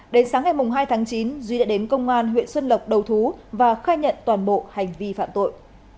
đến sáng ngày hai tháng chín duy đã đến công an huyện xuân lộc đầu thú và khai nhận toàn bộ hành vi phạm tội